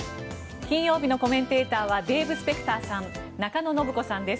金曜日のコメンテーターはデーブ・スペクターさん中野信子さんです。